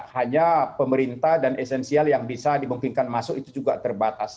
hanya pemerintah dan esensial yang bisa dimungkinkan masuk itu juga terbatas